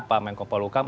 pak menko polukam